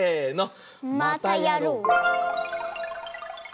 またやろう！